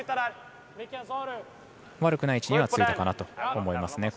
悪くない位置にはつけたかなと思います。